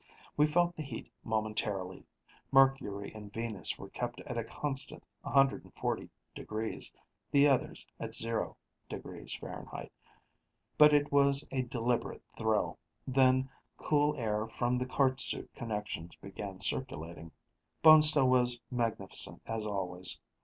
We felt the heat momentarily Mercury and Venus were kept at a constant 140 F, the others at 0 F but it was a deliberate thrill. Then cool air from the cart suit connections began circulating. Bonestell was magnificent, as always.